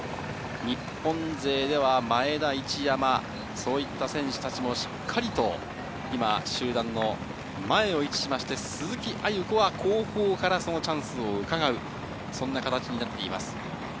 日本勢では前田、一山そういった選手たちもしっかりと今、集団の前に位置しまして鈴木亜由子は後方からそのチャンスをうかがうそんな形になっています。